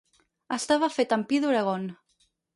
Estava fet amb pi d'Oregon.